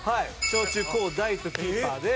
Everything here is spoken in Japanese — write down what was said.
小中高大とキーパーで。